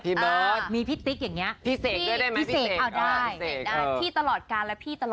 พี่ตีดอย่างเนี่ย